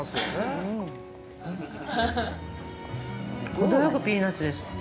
ほどよくピーナッツです。